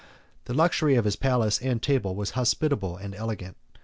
The luxury of his palace and table was hospitable and elegant.